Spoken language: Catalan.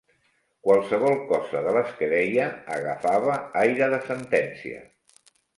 Qualsevol cosa de les que deia agafava aire de sentencia